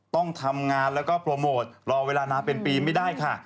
ต้องทำงานแล้วก็โปรโมทรอเวลานานเป็นปีไม่ได้ค่ะ